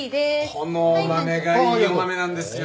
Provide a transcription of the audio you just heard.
このお豆がいいお豆なんですよ。